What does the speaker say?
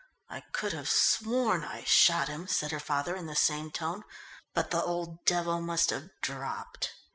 "I could have sworn I shot him," said her father in the same tone, "but the old devil must have dropped."